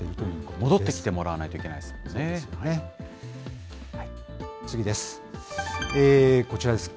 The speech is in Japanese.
戻ってきてもらわないといけないですね。